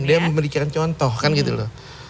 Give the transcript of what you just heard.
dia memberikan contoh kan gitu loh